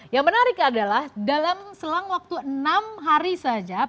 yang menarik adalah dalam selang waktu enam hari saja